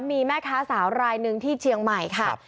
มีแม่ค้าสาวรายหนึ่งที่เชียงใหม่ค่ะ